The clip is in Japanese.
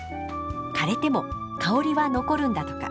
枯れても香りは残るんだとか。